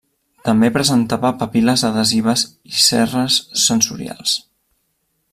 També presentava papil·les adhesives i cerres sensorials.